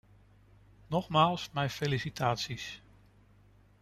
Nogmaals, mijn felicitaties!